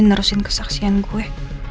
nerusin kesaksian gue